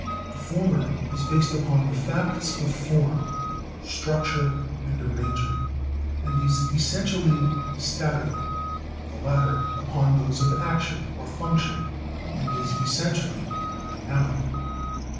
The former is based upon the facts of form, structure and arrangement, and is essentially statical ; the latter upon those of action or func tion, and is essentially dynamical.